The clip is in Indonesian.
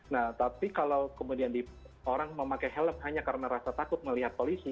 nah tapi kalau kemudian orang memakai helm hanya karena rasa takut melihat polisi